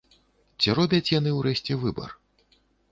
Ці робяць яны ўрэшце выбар?